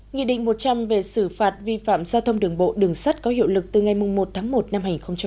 nghị định một trăm linh về xử phạt vi phạm giao thông đường bộ đường sắt có hiệu lực từ ngày một tháng một năm hai nghìn hai mươi